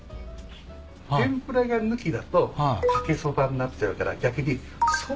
天ぷらが抜きだとかけそばになっちゃうから逆にそばを抜いた物。